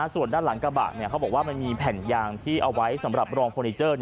ส่วนด้านหลังกระบะเขาบอกว่ามันมีแผ่นยางที่เอาไว้สำหรับรองเฟอร์นิเจอร์